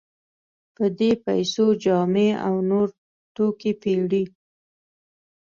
په دې پیسو جامې او نور توکي پېري.